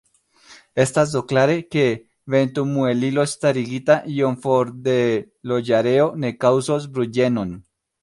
Estas do klare, ke ventomuelilo starigita iom for de loĝareo ne kaŭzos bruĝenon.